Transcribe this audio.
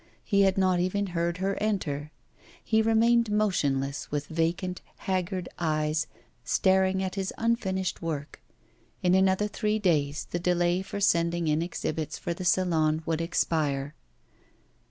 He had not even heard her enter. He remained motionless, with vacant, haggard eyes staring at his unfinished work. In another three days the delay for sending in exhibits for the Salon would expire.